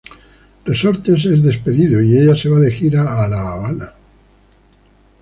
Resortes es despedido y ella se va de gira a La Habana.